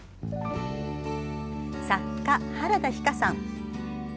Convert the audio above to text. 作家、原田ひ香さん。